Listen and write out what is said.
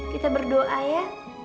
kita berdoa ya